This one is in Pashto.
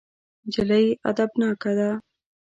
نجلۍ ادبناکه ده.